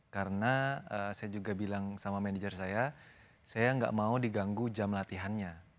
karena saya juga bilang sama manajer saya saya enggak mau diganggu jam latihannya